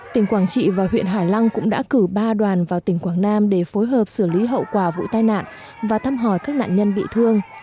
tỉnh quảng trị và huyện hải lăng cũng đã cử ba đoàn vào tỉnh quảng nam để phối hợp xử lý hậu quả vụ tai nạn và thăm hỏi các nạn nhân bị thương